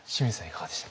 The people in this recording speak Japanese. いかがでした？